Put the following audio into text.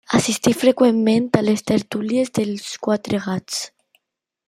Assistí freqüentment a les tertúlies dels Quatre Gats.